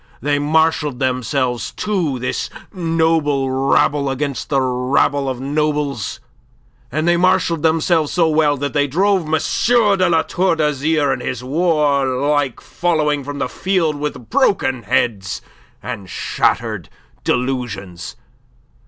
They marshalled themselves too this noble rabble against the rabble of nobles and they marshalled themselves so well that they drove M. de La Tour d'Azyr and his warlike following from the field with broken heads and shattered delusions.